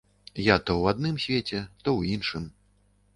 Я то ў адным свеце, то ў іншым.